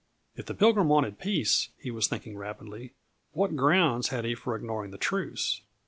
If the Pilgrim wanted peace, he was thinking rapidly, what grounds had he for ignoring the truce?